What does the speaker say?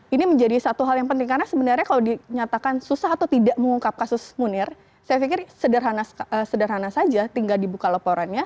ini menjadi satu hal yang penting karena sebenarnya kalau dinyatakan susah atau tidak mengungkap kasus munir saya pikir sederhana saja tinggal dibuka laporannya